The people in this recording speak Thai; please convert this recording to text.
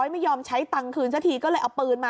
ไม่ยอมใช้ตังค์คืนสักทีก็เลยเอาปืนมา